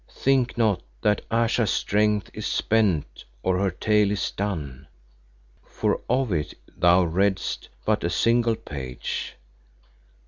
Think not that Ayesha's strength is spent or her tale is done, for of it thou readest but a single page.